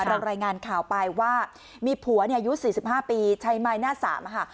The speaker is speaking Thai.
เรารายงานข่าวปลายว่ามีผัวอายุ๔๕ปีชัยมายหน้า๓